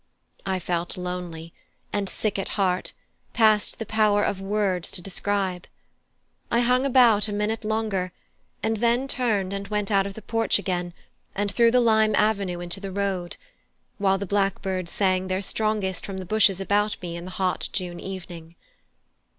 I felt lonely and sick at heart past the power of words to describe. I hung about a minute longer, and then turned and went out of the porch again and through the lime avenue into the road, while the blackbirds sang their strongest from the bushes about me in the hot June evening.